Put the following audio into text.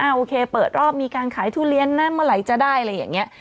โอเคเปิดรอบมีการขายทุเรียนนะเมื่อไหร่จะได้อะไรอย่างนี้